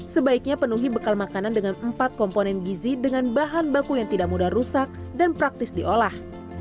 sebaiknya penuhi bekal makanan dengan empat komponen gizi dengan bahan baku yang tidak mudah rusak dan praktis diolah